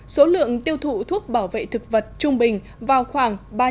số lượng tiêu thụ thuốc bảo vệ thực vật trung bình vào khoảng